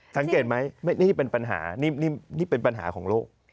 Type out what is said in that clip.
สังเกตไหมนี่เป็นปัญหานี่เป็นปัญหาของโลก